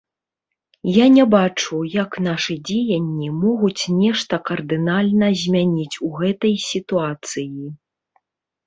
Я не бачу, як нашы дзеянні могуць нешта кардынальна змяніць у гэтай сітуацыі.